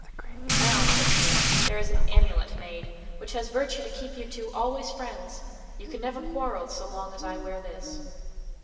"Now," said she, "there is an amulet made, which has virtue to keep you two always friends. You can never quarrel so long as I wear this."